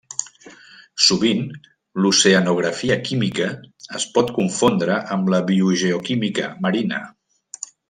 Sovint l'Oceanografia Química es pot confondre amb la Biogeoquímica Marina.